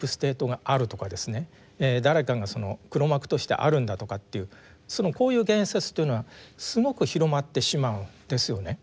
誰かがその黒幕としてあるんだとかというこういう言説というのはすごく広まってしまうんですよね。